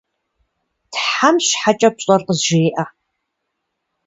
Тхьэм щхьэкӏэ пщӏэр къызжеӏэ!